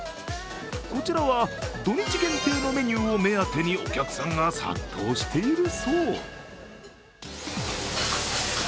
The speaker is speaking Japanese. こちらは土日限定のメニューを目当てにお客さんが殺到しているそう。